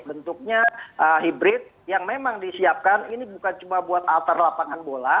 bentuknya hybrid yang memang disiapkan ini bukan cuma buat altar lapangan bola